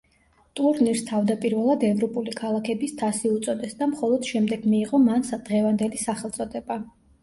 ტურნირს თავდაპირველად ევროპული ქალაქების თასი უწოდეს და მხოლოდ შემდეგ მიიღო მან დღევანდელი სახელწოდება.